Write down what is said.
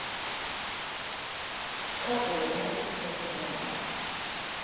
Kā tad ar mūzikas festivālu?